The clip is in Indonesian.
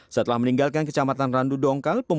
setelah meninggalkan kecamatan randu dongkal